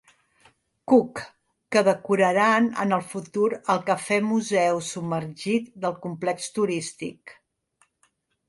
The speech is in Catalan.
Cook que decoraran en el futur el cafè museu submergit del complex turístic.